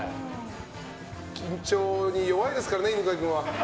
緊張に弱いですからね犬飼君は。